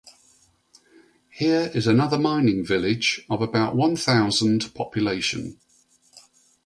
Here is another mining village, of about one thousand population.